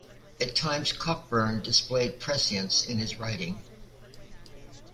At times Cockburn displayed prescience in his writing.